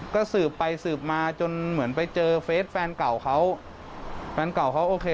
ก็สืบไปสืบมาจนเหมือนไปเจอเฟสแฟนเก่าเขาแฟนเก่าเขาโอเค